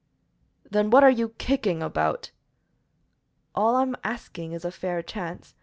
"Then what are you kicking about?" "All I am asking is a fair chance.